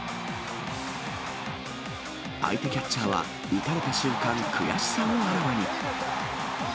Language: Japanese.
相手キャッチャーは打たれた瞬間、悔しさをあらわに。